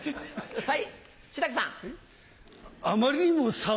はい。